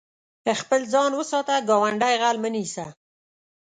خپل ځان وساته، ګاونډی غل مه نيسه.